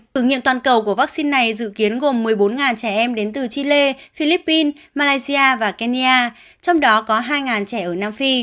thử nghiệm toàn cầu của vaccine này dự kiến gồm một mươi bốn trẻ em đến từ chile philippines malaysia và kenya trong đó có hai trẻ ở nam phi